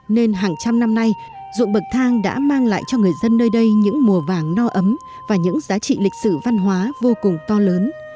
nên hàng trăm năm nay ruộng bậc thang đã mang lại cho người dân nơi đây những mùa vàng no ấm và những giá trị lịch sử văn hóa vô cùng to lớn